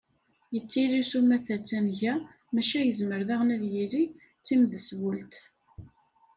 Yettili s umata, d tanga, maca yezmer daɣen ad yili d timdeswelt.